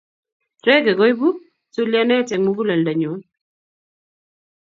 reggae koibu tulianet eng mukuleldo nyuu